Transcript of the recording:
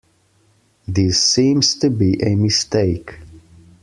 This seems to be a mistake.